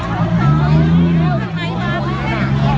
ก็ไม่มีเวลาให้กลับมาเท่าไหร่